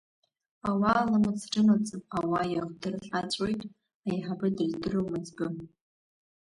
Ауаа ламыс рымаӡам, ауаа иахдырҟьацәоит, аиҳабы дрыздыруам, аиҵбы!